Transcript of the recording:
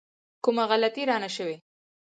کومه غلطي رانه شوې.